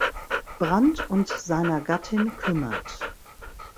Brand und seiner Gattin kümmert.